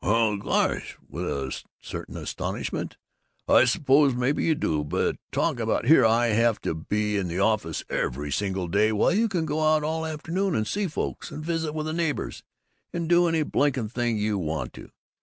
_" "Well, gosh," with a certain astonishment, "I suppose maybe you do! But talk about Here I have to be in the office every single day, while you can go out all afternoon and see folks and visit with the neighbors and do any blinkin' thing you want to!"